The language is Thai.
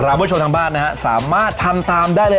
คุณผู้ชมทางบ้านนะฮะสามารถทำตามได้เลย